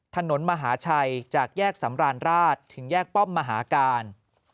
ถนนมหาชัยจากแยกสำราญราชถึงแยกป้อมมหาการ